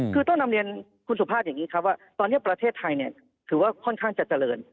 คือต้องนำเรียนคุณสุภาพอย่างนี้ครับว่าตอนนี้ประเทศไทยถือว่าค่อนข้างจะเจริญ